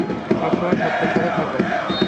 সবসময় সত্যের সাথে থাকে।